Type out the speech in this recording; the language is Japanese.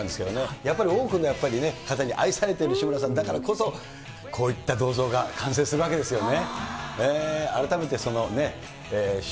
やっぱり多くの方に愛されている志村さんだからこそ、こういった銅像が完成するわけですよね。